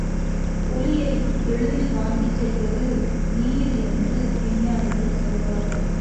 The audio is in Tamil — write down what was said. ஒலியை எளிதில் வாங்கிச் செல்வது நீர் என்று விஞ்ஞானிகள் சொல்வார்கள்.